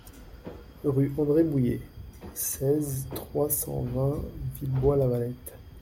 Rue Andre Bouyer, seize, trois cent vingt Villebois-Lavalette